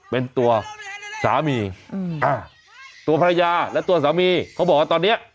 เป็นตัวสามีอืมอ่าตัวภรรยาและตัวสามีเขาบอกว่าตอนเนี้ย